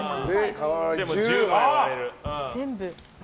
瓦は１０枚割れる。